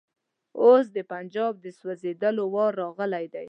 اوس د پنجاب د سوځېدلو وار راغلی دی.